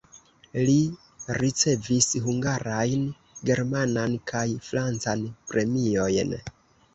Li ricevis hungarajn, germanan kaj francan premiojn.